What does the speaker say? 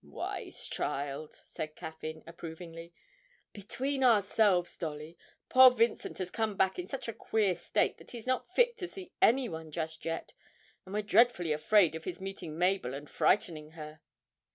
'Wise child!' said Caffyn, approvingly. 'Between ourselves, Dolly, poor Vincent has come back in such a queer state that he's not fit to see anyone just yet, and we're dreadfully afraid of his meeting Mabel and frightening her.'